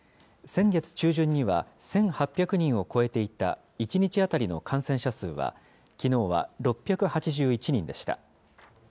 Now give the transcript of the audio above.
先月中旬には１８００人を超えていた１日当たりの感染者数は、きのうは６８１人でした。